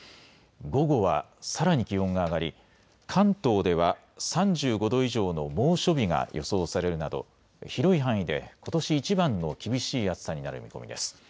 午後はさらに気温が上がり関東では３５度以上の猛暑日が予想されるなど広い範囲でことしいちばんの厳しい暑さになる見込みです。